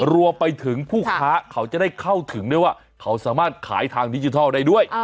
รวมไปถึงผู้ค้าเขาจะได้เข้าถึงได้ว่าเขาสามารถขายทางดิจิทัลได้ด้วย